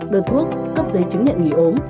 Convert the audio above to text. đơn thuốc cấp giấy chứng nhận nghỉ ốm